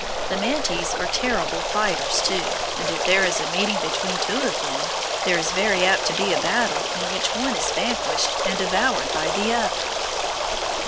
The mantes are terrible fighters, too, and if there is a meeting between two of them, there is very apt to be a battle in which one is vanquished and devoured by the other.